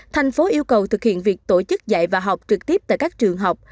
thành phố yêu cầu thực hiện việc tổ chức dạy và học trực tiếp tại các trường học